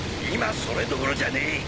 今それどころじゃねえ！